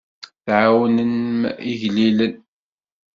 Tɛawnem igellilen.